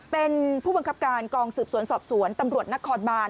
เป็นผู้บังคับการกองสืบสวนสอบสวนตำรวจนครบาน